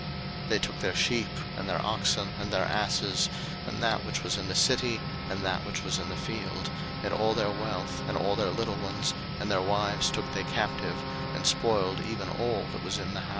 01:034:028 They took their sheep, and their oxen, and their asses, and that which was in the city, and that which was in the field, 01:034:029 And all their wealth, and all their little ones, and their wives took they captive, and spoiled even all that was in the house.